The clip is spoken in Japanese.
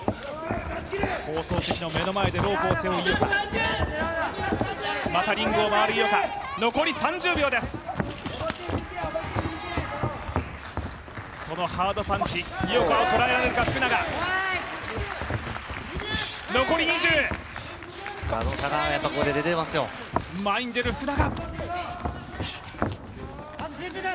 そのハードパンチ、井岡を捉えられるか福永。